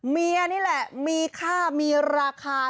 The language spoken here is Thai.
เมียนี่แหละมีค่ามีราคา